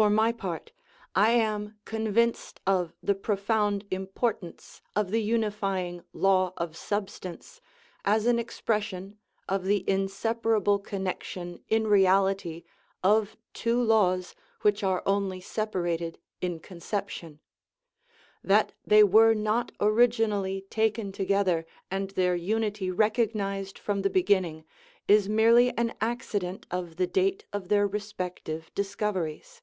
For my part, I am convinced of the profound im portance of the unifying " law of substance," as an expression of the inseparable connection in reality of two laws which are only separated in conception. That they were not originally taken together and their unity recognized from the beginning is merely an ac cident of the date of their respective discoveries.